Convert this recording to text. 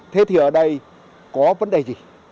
thế thì ở đây có vấn đề gì